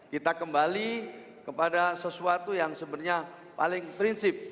kita kembali kepada sesuatu yang sebenarnya paling prinsip